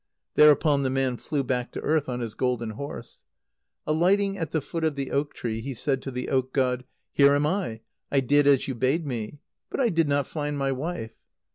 Thereupon the man flew back to earth on his golden horse. Alighting at the foot of the oak tree, he said to the oak god: "Here am I. I did as you bade me. But I did not find my wife."